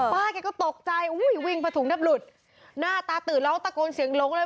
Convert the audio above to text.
แกก็ตกใจอุ้ยวิ่งประถุงแทบหลุดหน้าตาตื่นร้องตะโกนเสียงหลงเลย